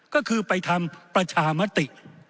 ก็คือไปทำประชามติ